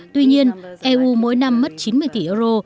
tuy nhiên eu mỗi năm mất chín mươi tỷ euro